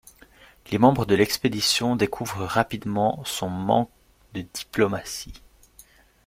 Les membres de l'expédition découvrent rapidement son manque de diplomatie.